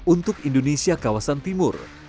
untuk indonesia kawasan timur